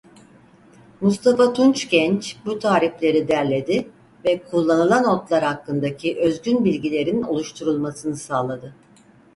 Mustafa Tunçgenç bu tarifleri derledi ve kullanılan otlar hakkındaki özgün bilgilerin oluşturulmasını sağladı.